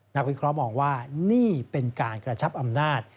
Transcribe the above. นักพิทธิคร้องบอกว่านี่เป็นการกระชับอำนาจ